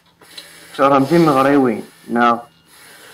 Tkeṛhem timeɣriwin, naɣ?